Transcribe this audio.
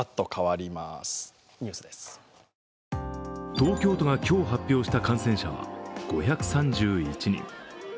東京都が今日発表した感染者は５３１人。